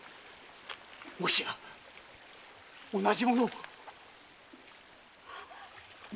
もしや同じ物を？